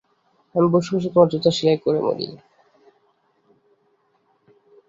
আমি বসে বসে তোমার জুতো সেলাই করে মরি।